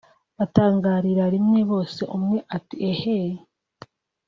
Batangarira rimwe bose umwe ati “Ehhh